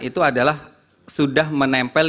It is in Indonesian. itu adalah sudah menempel